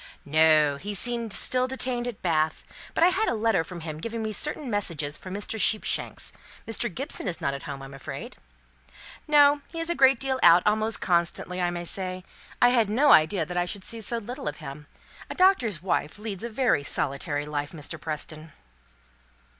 "No! he seemed still detained at Bath. But I had a letter from him giving me certain messages for Mr. Sheepshanks. Mr. Gibson is not at home, I'm afraid?" "No. He is a great deal out almost constantly, I may say. I had no idea that I should see so little of him. A doctor's wife leads a very solitary life, Mr. Preston!"